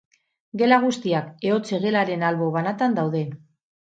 Gela guztiak ehotze-gelaren albo banatan daude.